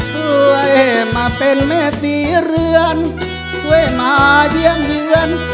ช่วยมาเป็นแม่ศรีเรือนช่วยมาเยี่ยมเยือน